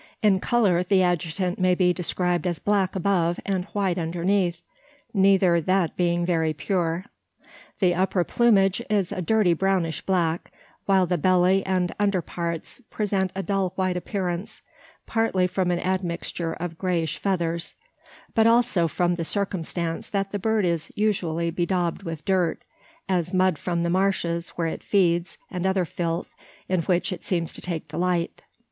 In colour the adjutant may be described as black above and white underneath, neither [that] being very pure. The upper plumage is a dirty brownish black; while the belly and under parts present a dull white appearance, partly from an admixture of greyish feathers, but also from the circumstance that the bird is usually bedaubed with dirt as mud from the marshes, where it feeds, and other filth, in which it seems to take delight.